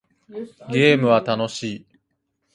ゲームは楽しい